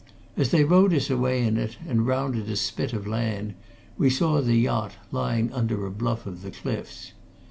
As they rowed us away in it, and rounded a spit of land, we saw the yacht, lying under a bluff of the cliffs.